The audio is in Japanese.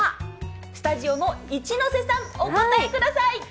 スタジオの一ノ瀬さん、お答えください。